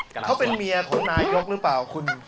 เขาเป็นเมียของนายกหรือเปล่าคุณ